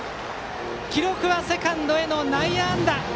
記録はセカンドへの内野安打。